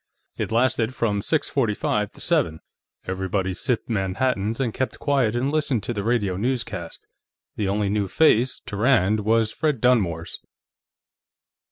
It lasted from six forty five to seven; everybody sipped Manhattans and kept quiet and listened to the radio newscast. The only new face, to Rand, was Fred Dunmore's.